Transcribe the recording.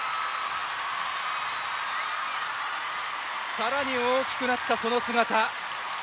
更に大きくなったその姿。